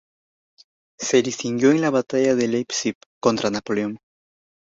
Se distinguió en la batalla de Leipzig contra Napoleón.